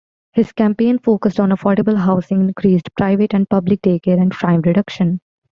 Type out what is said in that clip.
His campaign focused on affordable housing, increased private and public daycare, and crime reduction.